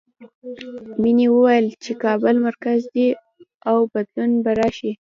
مینې ویل چې کابل مرکز دی او بدلون به راشي